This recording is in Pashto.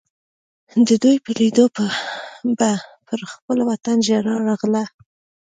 د دوی په لیدو به پر خپل وطن ژړا راغله.